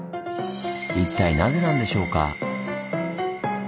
一体なぜなんでしょうか？